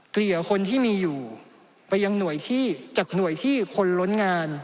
เกลี่ยคนที่มีอยู่ไปยังหน่วยที่จากหน่วยที่คนล้นงาน